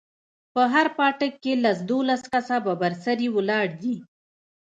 په هر پاټک کښې لس دولس کسه ببر سري ولاړ دي.